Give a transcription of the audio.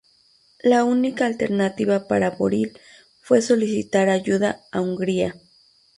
La única alternativa para Boril fue solicitar ayuda a Hungría.